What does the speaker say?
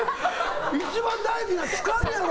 一番大事なつかみやろ！